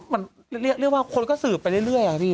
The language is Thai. มันเรียกว่าคนก็สืบไปเรื่อยอะพี่